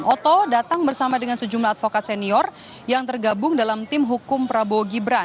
oto datang bersama dengan sejumlah advokat senior yang tergabung dalam tim hukum prabowo gibran